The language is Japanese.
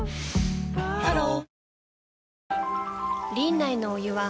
ハロー